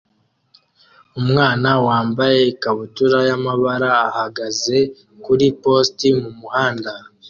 Umwana wambaye ikabutura y'amabara ahagaze kuri poste mumuhanda